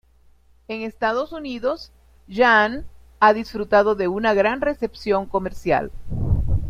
En Estados Unidos, "Jan" ha disfrutado de una gran recepción comercial.